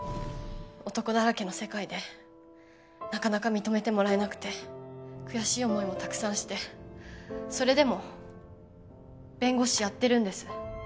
男だらけの世界でなかなか認めてもらえなくて悔しい思いもたくさんしてそれでも弁護士やってるんです